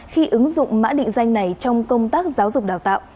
khi ứng dụng mã định danh này trong công tác giáo dục đào tạo